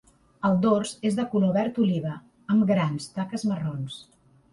El dors és de color verd oliva amb grans taques marrons.